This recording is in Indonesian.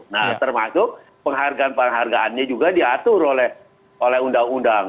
nah termasuk penghargaan penghargaannya juga diatur oleh undang undang